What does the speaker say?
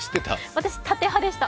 私、縦派でした。